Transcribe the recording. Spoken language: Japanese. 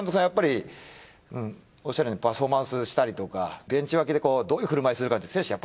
やっぱりおっしゃるようにパフォーマンスしたりとかベンチ脇でどういう振る舞いするかって選手